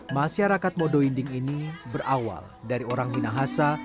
masyarakat modo inding ini berawal dari orang minahasa